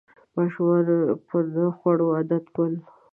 ماشومان په نه خوړو عادت ول